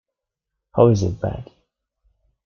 How is it bad?